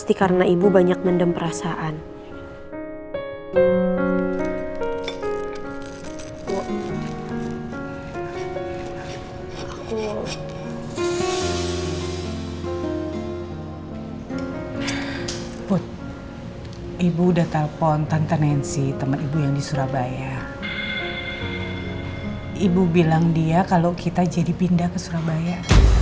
ibu bilang dia kalau kita jadi pindah ke surabaya